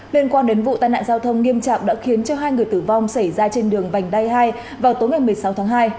liên quan đến vụ tai nạn giao thông nghiêm trọng đã khiến hai người tử vong xảy ra trên đường vành đai hai vào tối ngày một mươi sáu tháng hai